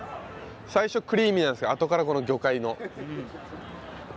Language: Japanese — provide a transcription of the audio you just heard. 最初クリーミーなんですけどあとからこの魚介の。